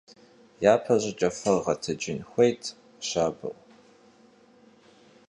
ЯпэщӀыкӀэ фэр гъэтэджын хуейт щабэу.